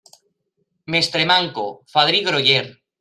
Mestre manco, fadrí groller.